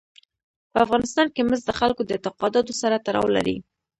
په افغانستان کې مس د خلکو د اعتقاداتو سره تړاو لري.